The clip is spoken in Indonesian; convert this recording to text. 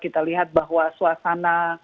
kita lihat bahwa suasana